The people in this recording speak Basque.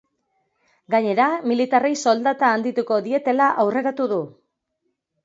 Gainera, militarrei soldata handituko dietela aurreratu du.